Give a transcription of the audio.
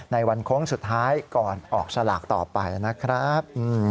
ในวันโค้งสุดท้ายก่อนออกสลากต่อไปนะครับ